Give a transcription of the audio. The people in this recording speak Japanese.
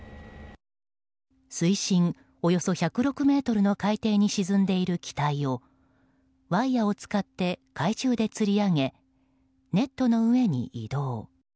水深およそ１０６ｍの海底に沈んでいる機体をワイヤを使って海中でつり上げネットの上に移動。